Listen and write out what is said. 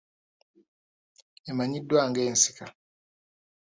Emanyiddwa nga ensika.